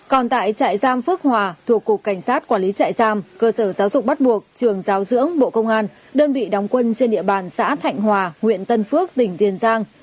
còn tại trại giam phước hòa thuộc cục cảnh sát quản lý trại giam cơ sở giáo dục bắt buộc trường giáo dưỡng bộ công an đơn vị đóng quân trên địa bàn xã thạnh hòa huyện tân phước tỉnh tiền giang